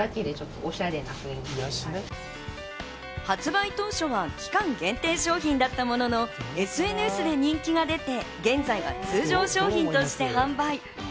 発売当初は期間限定商品だったものの、ＳＮＳで人気が出て、現在は通常商品として販売。